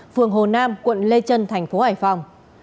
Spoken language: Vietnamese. phường hồ nam quận lê trân tp hải phòng